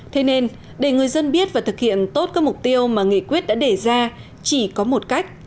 thế nên để người dân biết và thực hiện tốt các mục tiêu mà nghị quyết đã đề ra chỉ có một cách